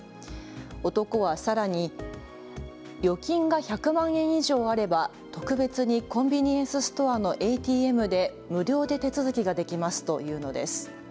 男はさらに預金が１００万円以上あれば特別にコンビニエンスストアのＡＴＭで無料で手続きができますと言うのです。